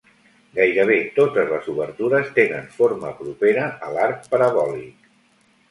Gairebé totes les obertures tenen forma propera a l'arc parabòlic.